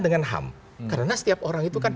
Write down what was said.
dengan ham karena setiap orang itu kan